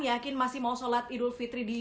yakin masih mau sholat idul fitri di